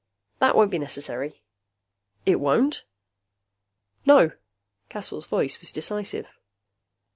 "That won't be necessary." "It won't?" "No." Caswell's voice was decisive.